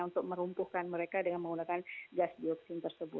untuk merumpuhkan mereka dengan menggunakan gas dioksin tersebut